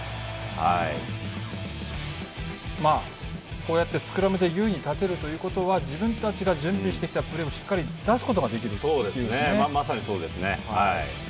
こうやってスクラムで優位に立てるということは自分たちが準備してきたプレーをしっかり出すことができるまさに、そうですね。